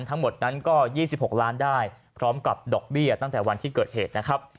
ทั้งหมดนั้นก็๒๖ล้านได้พร้อมกับดอกเบี้ยตั้งแต่วันที่เกิดเหตุนะครับ